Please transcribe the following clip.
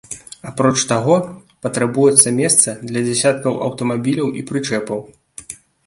Апроч таго, патрабуецца месца для дзясяткаў аўтамабіляў і прычэпаў.